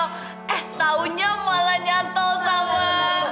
eh taunya malah nyanto sama